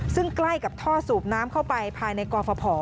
ซึ่งใกล้กับท่อสูบน้ำเข้าไปภายในกรฟภ